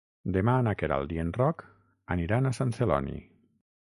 Demà na Queralt i en Roc aniran a Sant Celoni.